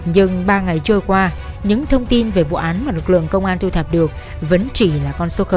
nhưng ba ngày trôi qua những thông tin về vụ án mà lực lượng công an thu thập được vẫn chỉ là con số